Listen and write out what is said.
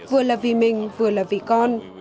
vừa là vì mình vừa là vì con